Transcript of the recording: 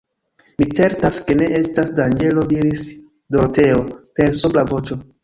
Mi certas ke ne estas danĝero, diris Doroteo, per sobra voĉo.